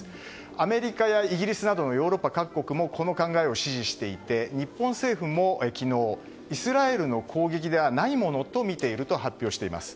アメリカやイギリスなどのヨーロッパ各国もこの考えを支持していて日本政府も昨日イスラエルの攻撃ではないものとみていると発表しています。